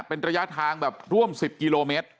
เป็นระยะทางแบบร่วม๑๐กิโลเมตร